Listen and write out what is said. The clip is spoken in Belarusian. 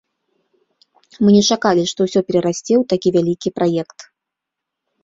Мы не чакалі, што ўсё перарасце ў такі вялікі праект.